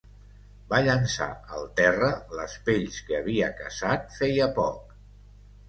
Va llançar al terra les pells que havia caçat feia poc.